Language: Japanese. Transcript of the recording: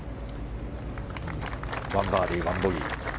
１バーディー、１ボギー。